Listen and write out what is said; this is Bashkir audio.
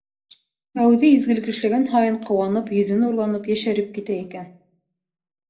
Ә үҙе изгелек эшләгән һайын, ҡыуанып, йөҙө нурланып, йәшәреп китә икән.